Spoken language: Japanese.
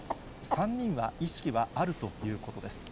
３人は意識はあるということです。